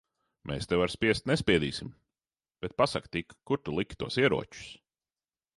Mēs tev ar spiest nespiedīsim. Bet pasaki tik, kur tu liki tos ieročus?